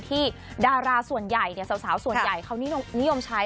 ดาราส่วนใหญ่สาวส่วนใหญ่เขานิยมใช้